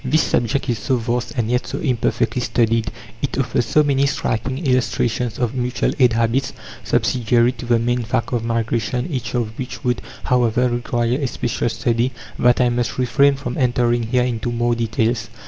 (7) This subject is so vast, and yet so imperfectly studied; it offers so many striking illustrations of mutual aid habits, subsidiary to the main fact of migration each of which would, however, require a special study that I must refrain from entering here into more details.